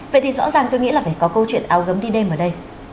vậy thì rõ ràng tôi nghĩ là phải có câu chuyện áo gấm đi đêm ở đây